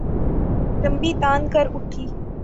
لمبی تان کر اُٹھی